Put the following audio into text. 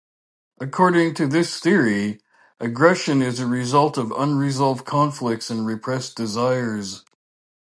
According to this theory, aggression is a result of unresolved conflicts and repressed desires.